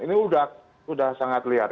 ini udah sangat liar